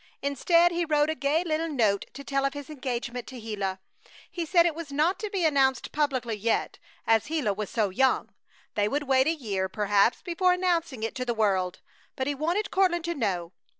Instead he wrote a gay little note to tell of his engagement to Gila. He said it was not to be announced publicly yet, as Gila was so young. They would wait a year perhaps before announcing it to the world, but he wanted Courtland to know.